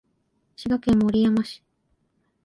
滋賀県守山市